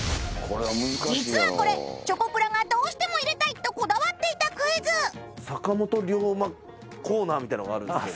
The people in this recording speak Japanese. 実はこれチョコプラがどうしても入れたいとこだわっていたクイズ。みたいなのがあるんですけど。